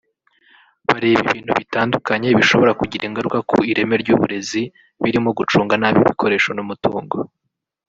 Bareba ibintu bitandukanye bishobora kugira ingaruka ku ireme ry’uburezi birimo gucunga nabi ibikoresho n’umutungo